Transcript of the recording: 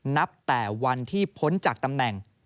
นับแต่วันที่พ้นจากตำแหน่ง